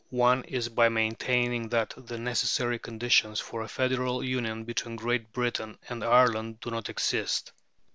One is by maintaining that the necessary conditions for a federal union between Great Britain and Ireland do not exist.